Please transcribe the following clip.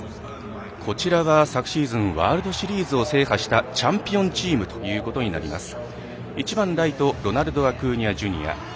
こちらは昨シーズンワールドシリーズを制覇したチャンピオンチームということになります。